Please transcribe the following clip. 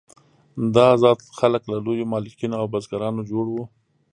دا آزاد خلک له لویو مالکین او بزګرانو جوړ وو.